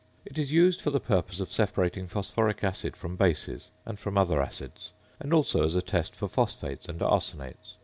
It is used for the purpose of separating phosphoric oxide from bases and from other acids, and also as a test for phosphates and arsenates.